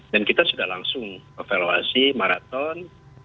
dan kita sudah langsung evaluasi maraton lima belas enam belas tujuh belas